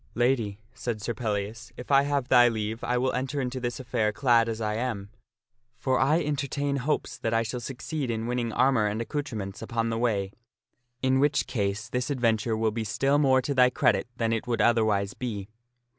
" Lady," said Sir Pellias, " if I have thy leave, I will enter into this affair clad as I am. For I entertain hopes that I shall succeed in winning armor and accoutrements upon the way, in the which case this advent ure will be still more to thy credit than it would otherwise be."